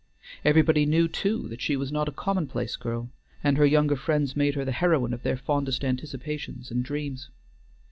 Everybody knew too that she was not a commonplace girl, and her younger friends made her the heroine of their fondest anticipations and dreams.